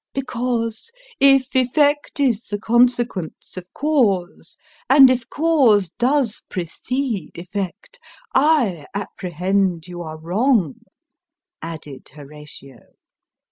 " Because, if effect is the consequence of cause, and if cause does precede effect, I apprehend you are wrong," added Horatio.